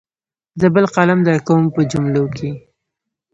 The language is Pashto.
زه بل قلم درکوم په جملو کې.